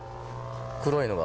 黒いのが。